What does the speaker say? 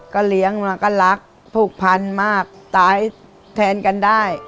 เลี้ยงมาก็รักผูกพันมากตายแทนกันได้